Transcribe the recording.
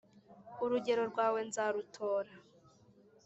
urugero rwawe nzarutora